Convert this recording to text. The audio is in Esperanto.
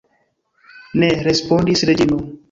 Ne, respondis Reĝino.